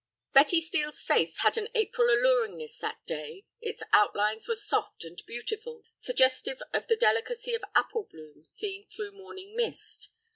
Betty Steel's face had an April alluringness that day; its outlines were soft and beautiful, suggestive of the delicacy of apple bloom seen through morning mist.